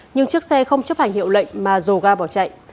nhưng chiếc xe không chấp hành hiệu lệnh mà rồ ga bỏ chạy